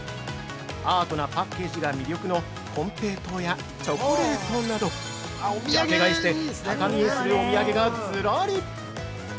アートなパッケージが魅力の金平糖やチョコレートなど、ジャケ買いして高見えするお土産がズラリ！